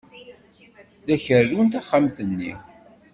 La kerrun taxxamt-nni.